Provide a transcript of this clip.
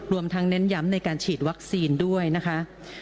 รวมทั้งเน้นย้ำในการฉีดวัคซีนด้วยนะคะ